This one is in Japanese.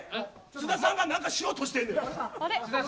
津田さんが何かしようとしてんねん。